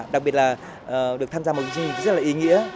đặc biệt là được tham gia một chương trình rất là ý nghĩa